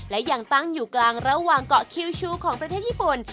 และยังตั้งอยู่กลางระหว่างเกาะคิวชูของประเทศญี่ปุ่น